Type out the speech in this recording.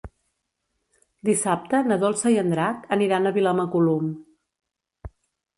Dissabte na Dolça i en Drac aniran a Vilamacolum.